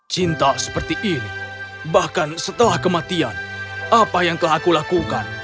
cinta seperti ini bahkan setelah kematian apa yang telah aku lakukan